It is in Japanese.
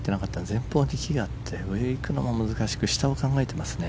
前方、木があって上に行くのも難しく下を考えていますね。